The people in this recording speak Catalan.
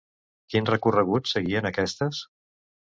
Quin recorregut seguien aquestes?